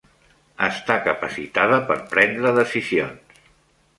Està capacitada per prendre decisions.